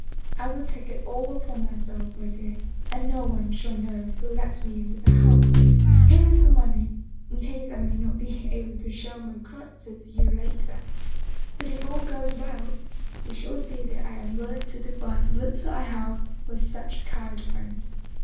" I will take it all upon myself, my dear, and no one shall know who let me into the house. Here is money, in case I may not be able to show my gratitude to you later. But if all goes well, you shall see that I am will ing to divide the little I have with such a kind friend."